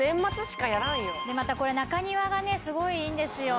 またこれ中庭がねすごいいいんですよ。